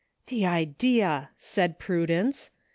"The idea !" said Prudence.